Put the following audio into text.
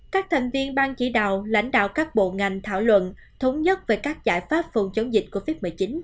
các thành viên ban chỉ đạo lãnh đạo các bộ ngành thảo luận thống nhất về các giải pháp phòng chống dịch covid một mươi chín